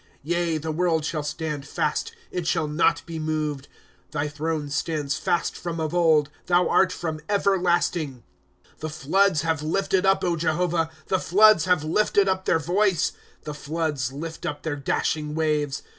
Yea, the world shall stand fast, it shall not be moved. ^ Thy throne stands fast from of old ; Thou art from everlasting. ■' The floods have lifted up, Jehovah, The floods have lifted up their voice ; The floods lift up their dashing waves.